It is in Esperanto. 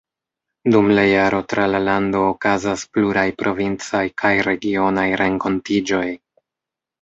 Dum la jaro tra la lando okazas pluraj provincaj kaj regionaj renkontiĝoj.